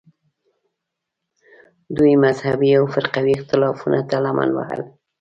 دوی مذهبي او فرقوي اختلافونو ته لمن وهل